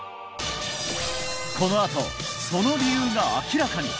このあとその理由が明らかに！